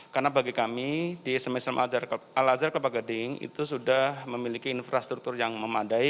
karena bagi kami di sma islam al azhar kelapa gading itu sudah memiliki infrastruktur yang memadai